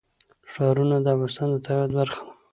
ښارونه د افغانستان د طبیعت برخه ده.